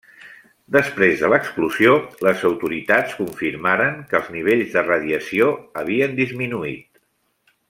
Després de l'explosió les autoritats confirmaren que els nivells de radiació havien disminuït.